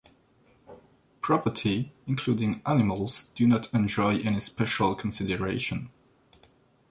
Property, including animals, do not enjoy any special consideration.